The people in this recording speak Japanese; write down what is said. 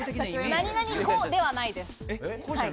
何々粉ではないです。